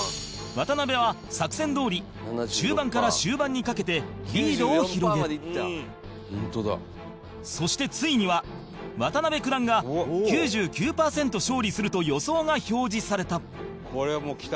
渡辺は、作戦どおり中盤から終盤にかけてリードを広げるそして、ついには渡辺九段が９９パーセント勝利すると予想が表示された伊達：これは、もう、きた。